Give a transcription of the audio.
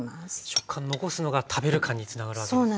食感残すのが食べる感につながるわけですね。